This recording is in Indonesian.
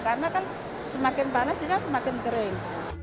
karena kan semakin panas semakin kering